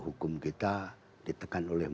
hukum kita ditekan oleh